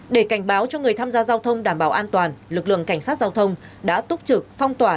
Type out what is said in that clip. để cảnh báo cho người tham gia giao thông đảm bảo an toàn lực lượng cảnh sát giao thông đã túc trực phong tỏa